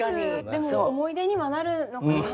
でも思い出にはなるのかな？